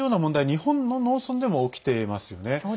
日本の農村でも起きてますね。